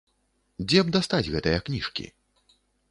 Дзе б дастаць гэтыя кніжкі?